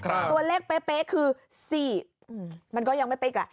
ครับตัวเลขเป๊ะเป๊ะคือสี่มันก็ยังไม่เป๊ะอีกละ